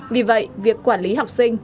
vì vậy việc quản lý học sinh